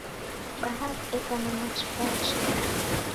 Bahari eka na machi pacha.